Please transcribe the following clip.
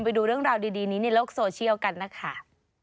ไปดูเรื่องราวดีนี้ในโลกโซเชียลกันนะคะ